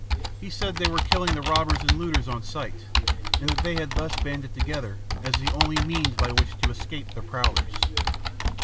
He said they were killing the robbers and looters on sight, and that they had thus banded together as the only means by which to escape the prowlers.